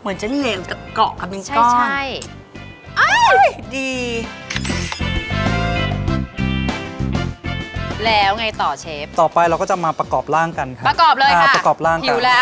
เหมือนจะเลวแต่เกาะกับเป็นก้อน